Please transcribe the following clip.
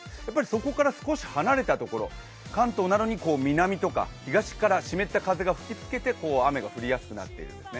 そこから少し離れたところ、関東なのに南とか東から湿った風が吹きつけてこう雨が降りやすくなっています。